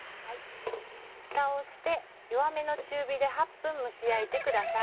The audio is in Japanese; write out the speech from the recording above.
フタをして弱めの中火で８分蒸し焼いてください。